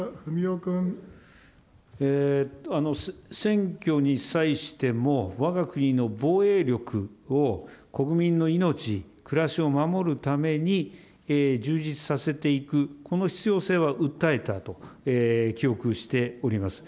選挙に際しても、わが国の防衛力を国民の命、暮らしを守るために充実させていく、この必要性は訴えたと記憶しております。